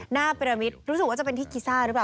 ปิรมิตรู้สึกว่าจะเป็นที่กีซ่าหรือเปล่า